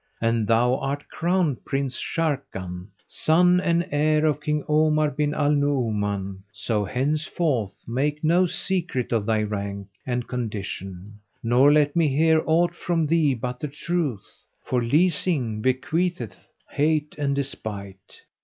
and thou art Crown Prince Sharrkan, son and heir of King Omar bin al Nu'uman; so henceforth make no secret of thy rank and condition, nor let me hear aught from thee but the truth; for leasing bequeatheth hate and despite.